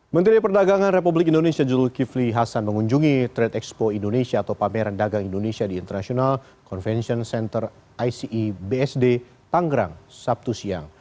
menteri perdagangan republik indonesia jules kivli hassan mengunjungi trade expo indonesia atau pameran dagang indonesia di internasional convention center ice bsd tanggrang sabtu siang